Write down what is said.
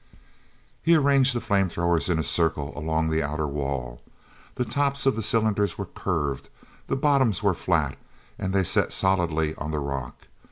He arranged the flame throwers in a circle along the outer wall. The tops of the cylinders were curved, but the bottoms were flat and they set solidly on the rock.